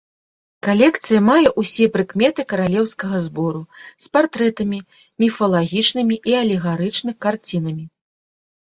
Калекцыя мае ўсе прыкметы каралеўскага збору з партрэтамі, міфалагічнымі і алегарычных карцінамі.